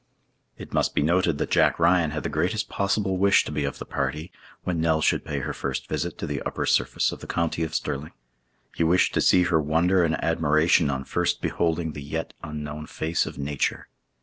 It must be noted that Jack Ryan had the greatest possible wish to be of the party when Nell should pay her first visit to the upper surface of the county of Stirling. He wished to see her wonder and admiration on first beholding the yet unknown face of Nature.